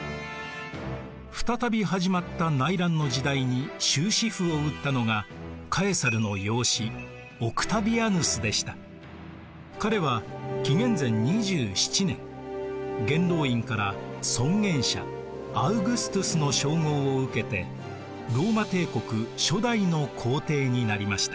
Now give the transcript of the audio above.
再び始まった内乱の時代に終止符を打ったのがカエサルの養子彼は紀元前２７年元老院から尊厳者アウグストゥスの称号を受けてローマ帝国初代の皇帝になりました。